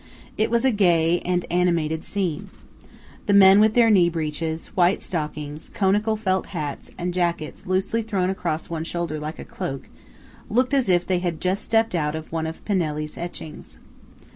It was a gay and animated scene. The men with their knee breeches, white stockings, conical felt hats, and jackets loosely thrown across one shoulder like a cloak, looked as if they had just stepped out of one of Pinelli's etchings.